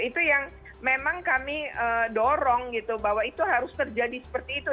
itu yang memang kami dorong gitu bahwa itu harus terjadi seperti itu